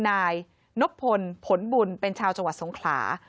นายนบพลผลบุญเป็นชาวจังหวัดสงขลา